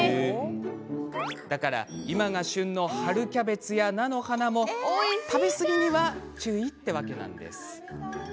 だから、今が旬の春キャベツや菜の花も食べ過ぎには注意ってわけなんです。